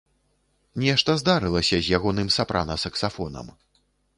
Нешта здарылася з ягоным сапрана-саксафонам.